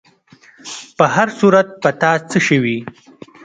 په هر صورت، په تا څه شوي؟